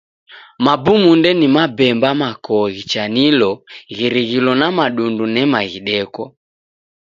Mabumunde ni mabemba makoo ghichanilo ghirighilo na madundu nema ghideko.